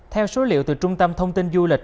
theo số liệu từ trung tâm thông tin du lịch